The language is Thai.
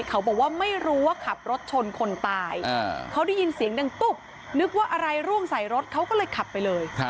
เขาบอกว่าไม่รู้ว่าขับรถชนคนตายเขาได้ยินเสียงดังตุ๊บนึกว่าอะไรร่วงใส่รถเขาก็เลยขับไปเลย